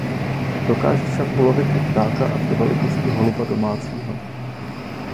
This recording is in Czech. Dokáže však ulovit i ptáka až do velikosti holuba domácího.